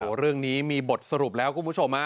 โอ้โหเรื่องนี้มีบทสรุปแล้วคุณผู้ชมฮะ